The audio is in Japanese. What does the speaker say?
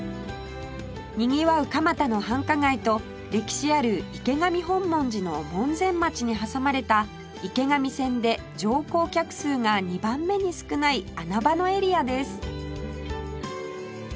にぎわう蒲田の繁華街と歴史ある池上本門寺の門前町に挟まれた池上線で乗降客数が２番目に少ない穴場のエリアです